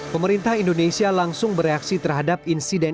pemerintah indonesia langsung bereaksi terhadap kawasan karang